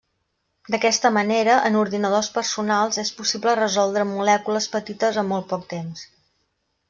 D'aquesta manera, en ordinadors personals és possible resoldre molècules petites en molt poc temps.